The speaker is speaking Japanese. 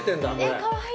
かわいい。